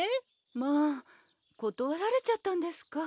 まあ断られちゃったんですか。